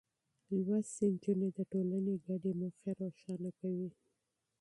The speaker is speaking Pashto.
لوستې نجونې د ټولنې ګډې موخې روښانه کوي.